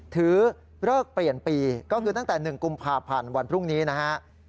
ถือเลิกเปลี่ยนปีก็คือตั้งแต่๑กุมภาพันธ์วันพรุ่งนี้นะฮะ